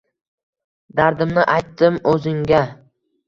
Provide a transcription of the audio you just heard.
Dardimni aytdim o‘zingga